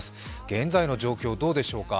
現在の状況、どうでしょうか。